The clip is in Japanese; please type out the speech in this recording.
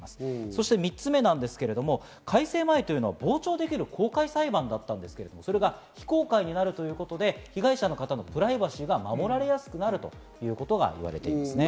そして３つ目なんですけれども、改正前というのは傍聴できる公開裁判だったんですが、それが非公開になるということで、被害者の方のプライバシーが守られやすくなるということがいわれていますね。